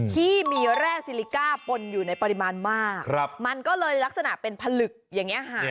ที่มีแร่ซิลิก้าปนอยู่ในปริมาณมากมันก็เลยลักษณะเป็นผลึกอย่างนี้ค่ะ